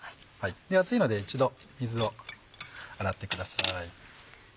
熱いので一度水を洗ってください。